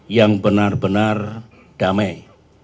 yang benar benar damai